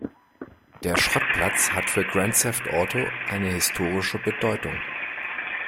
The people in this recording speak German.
Der Schrottplatz hat für Grand Theft Auto eine historische Bedeutung.